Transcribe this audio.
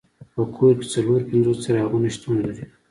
په کور کې څلور پنځوس څراغونه شتون لري.